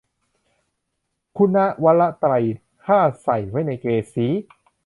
คุณะวระไตร ข้าใส่ไว้ในเกศี